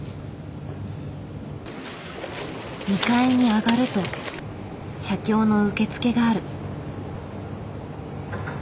２階に上がると写経の受付がある。